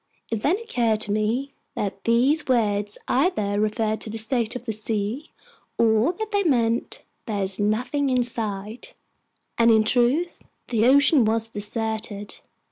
It then occurred to me that these words either referred to the state of the sea, or that they meant: "There's nothing in sight." And in truth, the ocean was deserted.